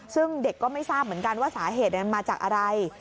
ซึ่งเด็กก็ไม่ทราบเหมือนกันว่าสาเหตุมันมาจากอะไร